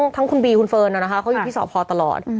ทั้งคุณบีคุณเฟิร์นเขาอยู่ที่สพตลอด